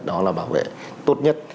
đó là bảo vệ tốt nhất